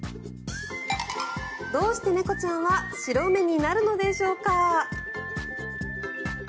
どうして猫ちゃんは白目になるのでしょうか。